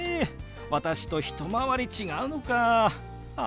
私と一回り違うのかあ。